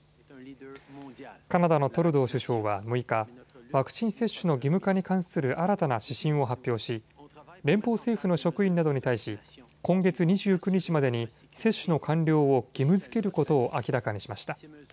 カナダのトルドー首相は６日、ワクチン接種の義務化に関する新たな指針を発表し連邦政府の職員などに対し今月２９日までに接種の完了を義務づけることを明らかにしました。